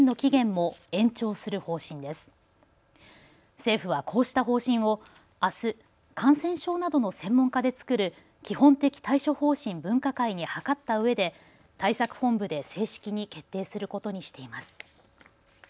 政府はこうした方針をあす、感染症などの専門家で作る基本的対処方針分科会に諮ったうえで対策本部で正式に決定することにしています。